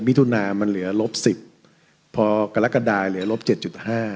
ถุนามันเหลือลบสิบพอกรกฎาเหลือลบเจ็ดจุดห้า